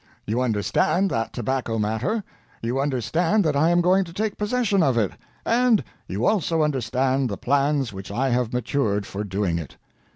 You understand that tobacco matter; you understand that I am going to take possession of it, and you also understand the plans which I have matured for doing it.